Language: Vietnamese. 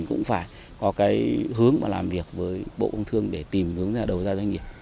cũng phải có cái hướng mà làm việc với bộ công thương để tìm hướng ra đầu ra doanh nghiệp